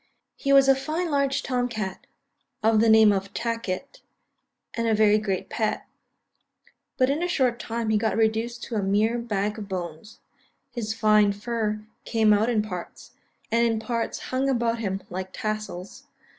He was a fine large Tom cat, of the name of Tacket, and a very great pet; but in a short time he got reduced to a mere bag of bones; his fine fur came out in parts, and in parts hung about him like tassels.